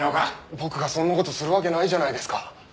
僕がそんな事するわけないじゃないですか。